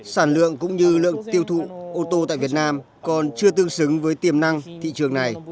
sản lượng cũng như lượng tiêu thụ ô tô tại việt nam còn chưa tương xứng với tiềm năng thị trường này